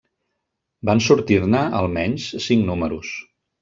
Van sortir-ne, almenys, cinc números.